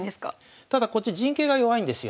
ただこっち陣形が弱いんですよ。